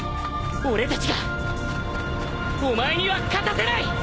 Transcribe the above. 俺たちがお前には勝たせない！